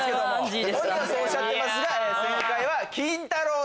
本人はそうおっしゃってますが正解はキンタロー。